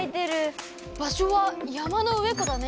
場しょは「やまのうえこ」だね。